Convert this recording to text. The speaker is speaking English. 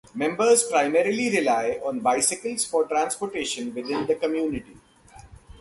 Members primarily rely on bicycles for transportation within the community.